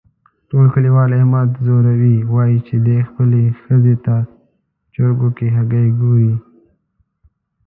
ټول کلیوال احمد ځوروي، وایي چې دی خپلې ښځې ته چرگو کې هگۍ گوري.